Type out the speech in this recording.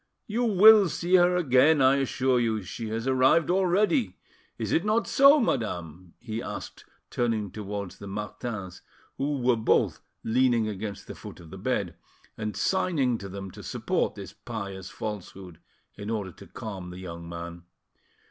You will see her again, I assure you; she has arrived already. Is it not so, madame?" he asked, turning towards the Martins, who were both leaning against the foot of the bed, and signing to them to support this pious falsehood, in order to calm the young man.